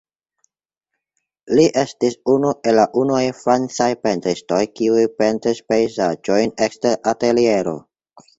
Li estis unu el la unuaj francaj pentristoj kiuj pentris pejzaĝojn ekster ateliero.